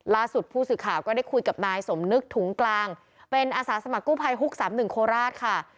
ล่าสุดผู้สื่อข่าวก็ได้คุยกับนายสมนึกถุงกลางเป็นอาสาสมัครกู้ภัยฮุก๓๑โคราชค่ะ